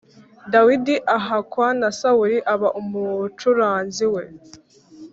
Dawidi ahakwa na Sawuli aba umucuranzi we